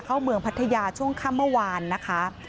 เข้าเมืองพัทยาช่วงค่ำเมื่อวานนะคะ